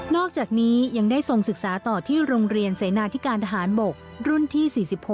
อกจากนี้ยังได้ทรงศึกษาต่อที่โรงเรียนเสนาธิการทหารบกรุ่นที่๔๖